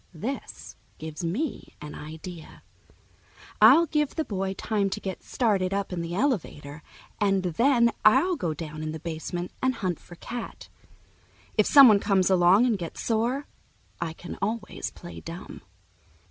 This gives me an idea. I'll give the boy time to get started up in the elevator, and then I'll go down in the basement and hunt for Cat. If someone comes along and gets sore, I can always play dumb.